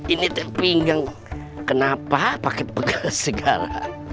ini teping yang kenapa pakai pegel segala